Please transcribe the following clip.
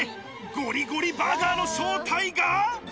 ゴリゴリバーガーの正体が。